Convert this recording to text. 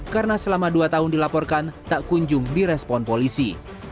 karena selama dua tahun dilaporkan tak kunjung di respon polisi